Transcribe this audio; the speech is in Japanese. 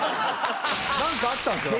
何かあったんすよ。